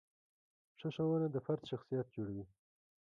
ښه ښوونه د فرد شخصیت جوړوي.